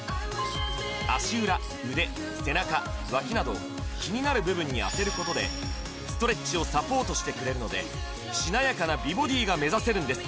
足裏腕背中脇など気になる部分に当てることでストレッチをサポートしてくれるのでしなやかな美ボディーが目指せるんです